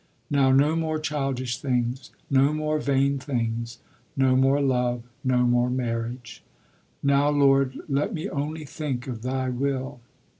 Now no more childish things, no more vain things, no more love, no more marriage. Now, Lord, let me only think of Thy will."